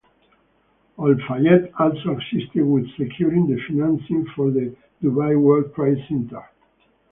Al-Fayed also assisted with securing the financing for the Dubai World Trade Centre.